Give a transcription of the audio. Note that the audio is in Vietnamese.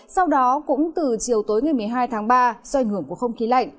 sau đó cũng từ chiều tối ngày một mươi hai tháng ba do ảnh hưởng của không khí lạnh